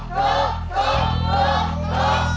คุก